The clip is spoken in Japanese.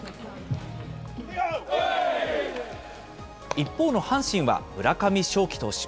一方の阪神は村上頌樹投手。